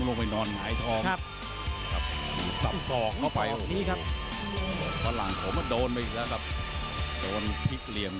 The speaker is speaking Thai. นี่ได้หรือเปล่าหมดยก